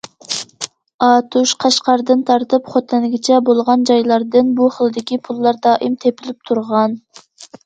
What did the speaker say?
ئاتۇش، قەشقەردىن تارتىپ، خوتەنگىچە بولغان جايلاردىن بۇ خىلدىكى پۇللار دائىم تېپىلىپ تۇرغان.